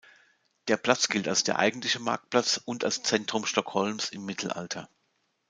Der Platz gilt als der eigentliche Marktplatz und als Zentrum Stockholms im Mittelalter.